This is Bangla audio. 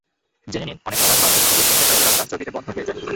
জেনে নিনঅনেক সময় মাংস ধুতে গিয়ে সিংকের পাইপের রাস্তা চর্বিতে বন্ধ হয়ে যায়।